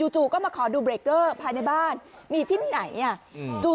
จู่ก็มาขอดูเบรกเกอร์ภายในบ้านมีที่ไหนอ่ะ